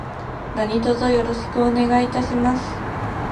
何卒よろしくお願いいたします。